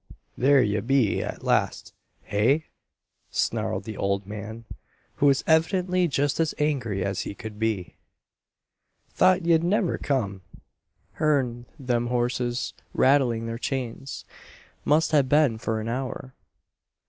"There ye be, at last, hey?" snarled the old man, who was evidently just as angry as he could be. "Thought ye'd never come. Hearn them horses rattling their chains, must ha' been for an hour."